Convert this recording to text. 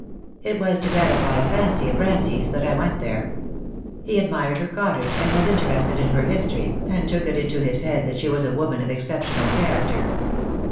"It was to gratify a fancy of Ramsay's that I went there. He admired her cottage and was interested in her history, and took it into his head that she was a woman of exceptional character."